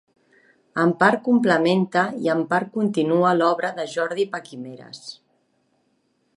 En part complementa i en part continua l'obra de Jordi Paquimeres.